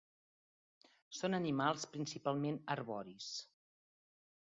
Són animals principalment arboris.